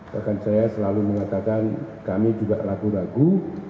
bahkan saya selalu mengatakan kami juga ragu ragu